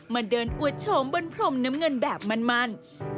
มาเดินอวดโฉมบนพรมน้ำเงินแบบมัน